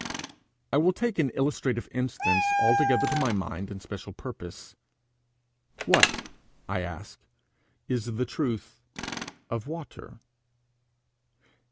I will take an illustrative instance altogether to my mind and special purpose. What, I ask, is the truth of water?